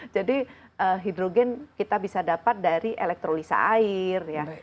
jadi hidrogen kita bisa dapat dari elektrolisa air